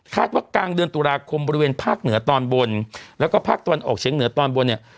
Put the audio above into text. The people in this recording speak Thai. ว่ากลางเดือนตุลาคมบริเวณภาคเหนือตอนบนแล้วก็ภาคตะวันออกเฉียงเหนือตอนบนเนี่ย